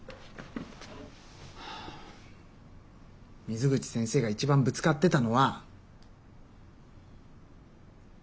水口先生が一番ぶつかってたのは。